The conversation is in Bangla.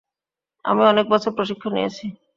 আমি অনেক বছর প্রশিক্ষণ নিয়েছি।